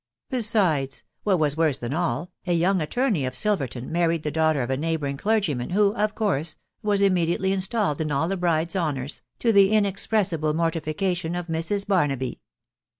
Besides, what <was worse than, all, a young attorney of Silver ton married the daughter of a neighbouring clergyman, who, of course, was immediately installed in all a bride's honours, to the in expressible mortification .of Mrs. Barnaby.